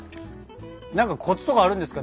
何かコツとかあるんですか？